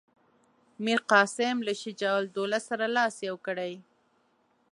میرقاسم له شجاع الدوله سره لاس یو کړی.